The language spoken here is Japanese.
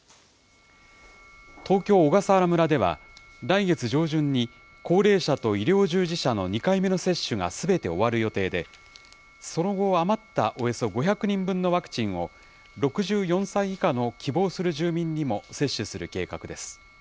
東京・小笠原村では、来月上旬に高齢者と医療従事者の２回目の接種がすべて終わる予定で、その後、余ったおよそ５００人分のワクチンを、６４歳以下の希望する住民にも接種する計画です。